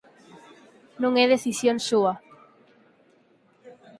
Non é decisión súa.